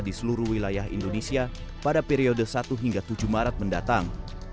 di seluruh wilayah indonesia pada periode satu hingga tujuh maret mendatang